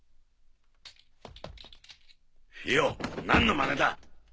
何のまねだ！